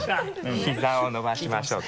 膝を伸ばしましょうか。